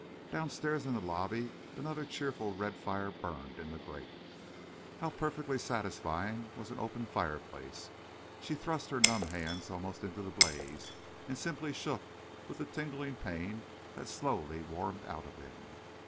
Downstairs in the lobby another cheerful red fire burned in the grate. How perfectly satisfying was an open fireplace! She thrust her numb hands almost into the blaze, and simply shook with the tingling pain that slowly warmed out of them.